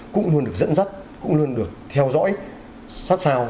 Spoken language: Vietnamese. cũng luôn được dẫn dắt cũng luôn được theo dõi sát sao